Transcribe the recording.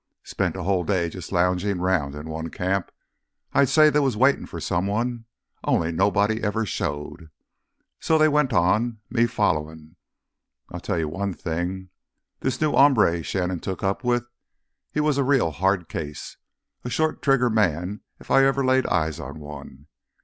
"Spent a whole day jus' loungin' 'round in one camp. I'd say they was waitin' for someone—only nobody ever showed. So they went on, me followin'. I'll tell you one thing. This new hombre Shannon took up with, he was a real hard case. A short trigger man if I ever laid eye on one.